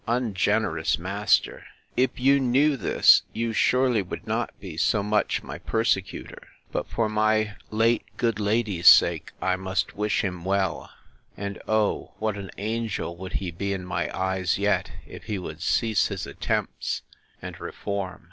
Ungenerous master! if you knew this, you surely would not be so much my persecutor! But, for my late good lady's sake, I must wish him well; and O what an angel would he be in my eyes yet, if he would cease his attempts, and reform!